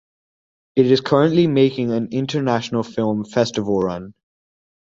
It is currently making an international film festival run.